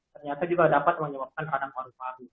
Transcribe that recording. ternyata juga dapat menyebabkan radang paru paru